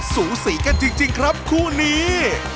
สูสีกันจริงครับคู่นี้